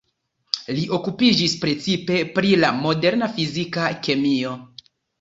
Li okupiĝis precipe pri la moderna fizika kemio.